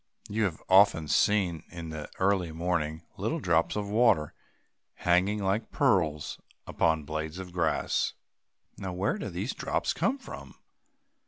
You have often seen, in the early morning, little drops of water hanging like pearls upon the blades of grass. Now, where do these drops come from?